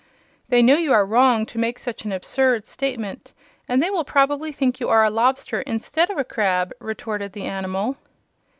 "They know you are wrong to make such an absurd statement, and they will probably think you are a lobster instead of a crab," retorted the animal.